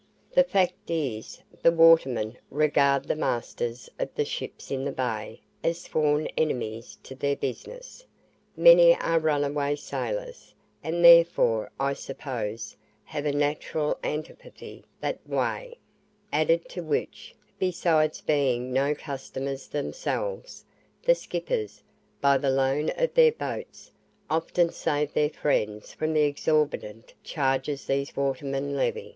The fact is, the watermen regard the masters of the ships in the bay as sworn enemies to their business; many are runaway sailors, and therefore, I suppose, have a natural antipathy that way; added to which, besides being no customers themselves, the "skippers," by the loan of their boats, often save their friends from the exorbitant charges these watermen levy.